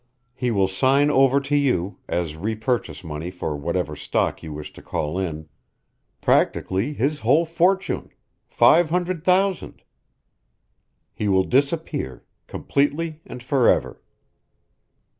He will sign over to you, as repurchase money for whatever stock you wish to call in, practically his whole fortune five hundred thousand. He will disappear, completely and forever.